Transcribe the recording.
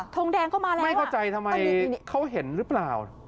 งแดงเข้ามาแล้วไม่เข้าใจทำไมเขาเห็นหรือเปล่า